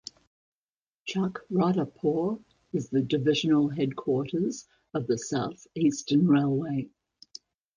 Chakradharpur is the divisional headquarters of the South Eastern Railway.